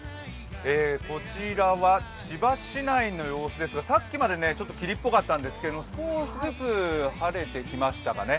こちらは千葉市内の様子ですが、さっきまで霧っぽかったんですけど少しずつ晴れてきましたかね。